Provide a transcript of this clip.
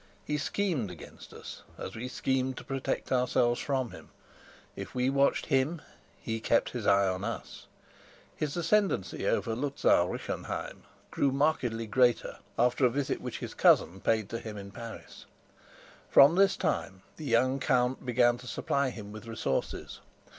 He schemed against us as we schemed to protect ourselves from him; if we watched him, he kept his eye on us. His ascendency over Luzau Rischenheim grew markedly greater after a visit which his cousin paid to him in Paris. From this time the young count began to supply him with resources.